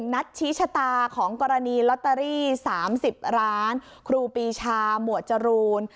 นัดชี้ชะตาของกรณีลอตเตอรี่๓๐ล้านครูปีชาหมวดจรูน